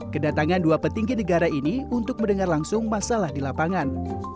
kedatangan dua petinggi negara ini untuk mendengar langsung masalah di lapangan